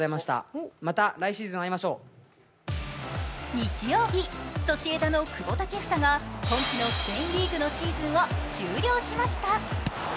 日曜日、ソシエダの久保建英が今季のスペインリーグのシーズンを終了しました。